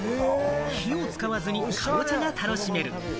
火を使わずにカボチャが楽しめる。